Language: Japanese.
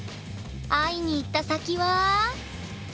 会いに行った先は。